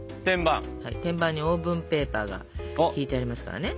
天板にオーブンペーパーが敷いてありますからね。